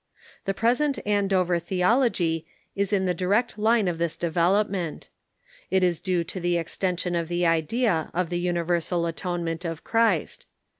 The present Andover theology is in the direct line of this development. It is due to the ex tension of the idea of the universal atonement of Christ.